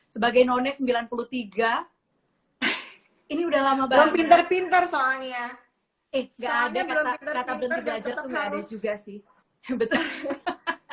sebagai nones sembilan puluh tiga ini udah lama banget pinter pinter soalnya eh nggak ada kata kata belajar juga sih